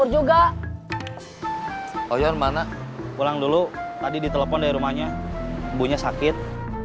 juga oh ya mana pulang dulu tadi di telepon dari rumahnya punya sakit